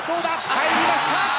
入りました。